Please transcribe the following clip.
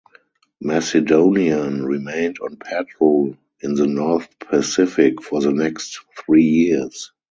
"Macedonian" remained on patrol in the North Pacific for the next three years.